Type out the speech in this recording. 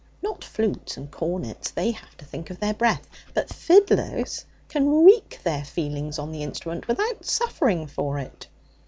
Not flutes and cornets, they have to think of their breath, but fiddlers can wreak their feelings on the instrument without suffering for it.'